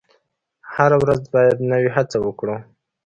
هره ورځ باید نوې هڅه وکړو.